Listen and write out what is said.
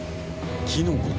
キノコか？